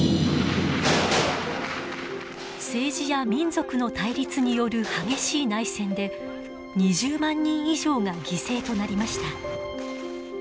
政治や民族の対立による激しい内戦で２０万人以上が犠牲となりました。